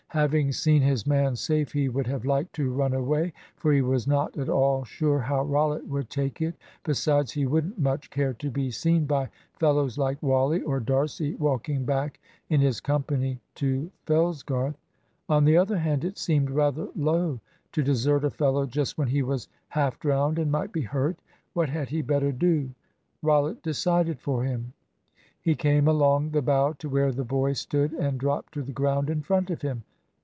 Having seen his man safe he would have liked to run away; for he was not at all sure how Rollitt would take it. Besides, he wouldn't much care to be seen by fellows like Wally or D'Arcy walking back in his company to Fellsgarth. On the other hand, it seemed rather low to desert a fellow just when he was half drowned and might be hurt. What had he better do? Rollitt decided for him. He came along the bough to where the boy stood, and dropped to the ground in front of him.